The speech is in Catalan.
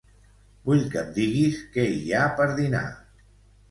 Vull que em diguis què hi ha per dinar.